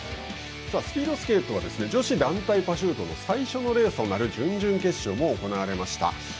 スピードスケートは女子団体パシュートの最初のレースとなる準々決勝も行われました。